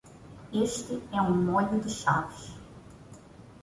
Este é um molho de chaves